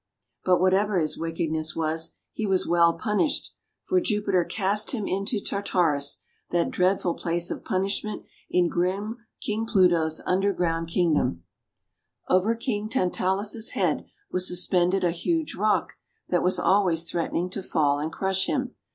But whatever his wickedness APPLES OF THE HESPERIDES 205 was, he was well punished; for Jupiter cast him into Tartarus, that dreadful place of punishment in grim King Pluto's underground kingdom. Over King Tantalus' head was suspended a huge rock that was always threatening to fall and crush him.